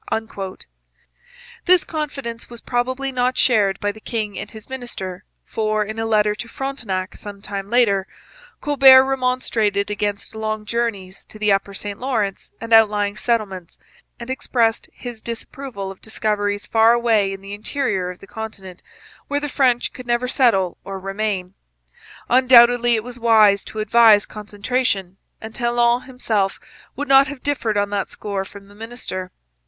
This confidence was probably not shared by the king and his minister, for, in a letter to Frontenac some time later, Colbert remonstrated against long journeys to the upper St Lawrence and outlying settlements, and expressed his disapproval of discoveries far away in the interior of the continent where the French could never settle or remain. Undoubtedly it was wise to advise concentration, and Talon himself would not have differed on that score from the minister.